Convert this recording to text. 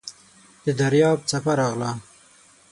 د دریاب څپه راغله .